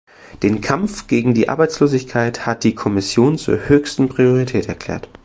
Den Kampf gegen die Arbeitslosigkeit hat die Kommission zur höchsten Priorität erklärt.